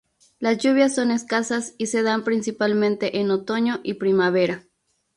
Las lluvias son escasas y se dan principalmente en otoño y primavera.